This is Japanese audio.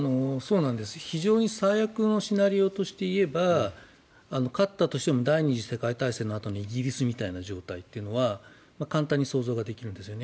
非常に最悪のシナリオとして言えば勝ったとしても第２次世界大戦のあとのイギリスみたいな状況っていうのは簡単に想像ができるんですね。